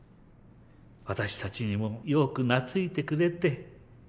私たちにもよく懐いてくれて。